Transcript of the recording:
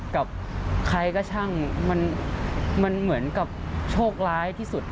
กับใครก็ช่างมันเหมือนกับโชคร้ายที่สุด